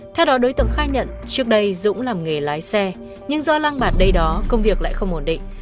theo đó đối tượng khai nhận trước đây dũng làm nghề lái xe nhưng do lăng bạt đây đó công việc lại không ổn định